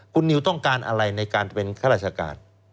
คุณนิวต้องการอะไรในการเป็นข้าราชการ